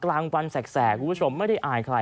กลางวันแสกไม่ได้อายใคร